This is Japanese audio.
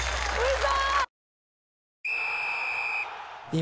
嘘！